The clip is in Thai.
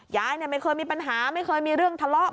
ยายไม่เคยมีปัญหาไม่เคยมีเรื่องทะเลาะ